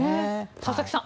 佐々木さん